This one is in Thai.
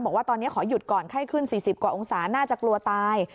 บอกว่าตอนนี้ขอหยุดก่อนไข้ขึ้น๔๐กว่าองศาน่าจะกลัวตาย